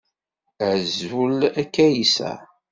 Azul a Kaysa.